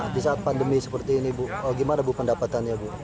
di saat pandemi seperti ini bu gimana bu pendapatannya bu